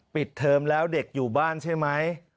เทอมแล้วเด็กอยู่บ้านใช่ไหม